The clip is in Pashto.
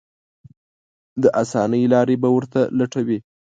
د اسانۍ لارې به ورته لټوي.